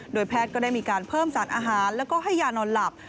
แพทย์ก็ได้มีการเพิ่มสารอาหารแล้วก็ให้ยานอนหลับ